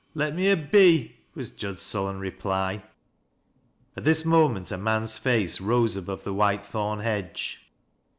" Let me a be," was Jud's sullen reply. At this moment a man's face rose above the whitethorn hedge.